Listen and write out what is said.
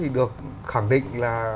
được khẳng định là